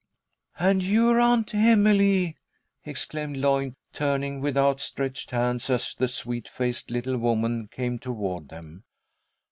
"And you are Aunt Emily!" exclaimed Lloyd, turning with outstretched hands as the sweet faced little woman came toward them.